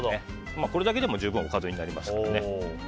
これだけでも十分おかずになりますからね。